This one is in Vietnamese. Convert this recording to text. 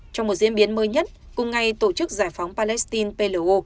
trong một diễn biến mới nhất cùng ngày tổ chức giải phóng palestine